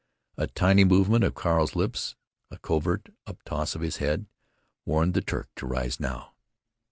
A tiny movement of Carl's lips, a covert up toss of his head, warned the Turk to rise now.